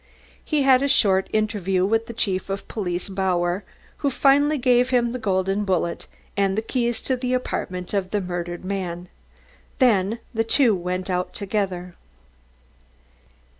He had a short interview with Chief of Police Bauer, who finally gave him the golden bullet and the keys to the apartment of the murdered man. Then the two went out together.